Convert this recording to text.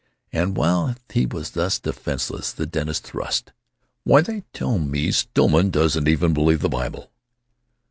And while he was thus defenseless the dentist thrust: "Why, they tell me Stillman doesn't even believe the Bible!"